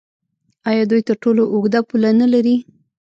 آیا دوی تر ټولو اوږده پوله نلري؟